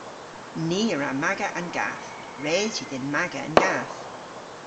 Ni a wra maga an gath. Res yw dhyn maga an gath.